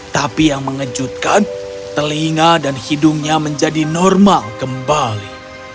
tapi yang mengejutkan telinga dan hidungnya menjadi normal kembali